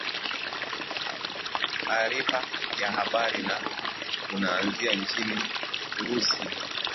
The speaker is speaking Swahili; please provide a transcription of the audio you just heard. aarifa ya habari na tunaanzia nchini urusi